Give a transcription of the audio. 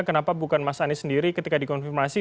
kenapa bukan mas anies sendiri ketika dikonfirmasi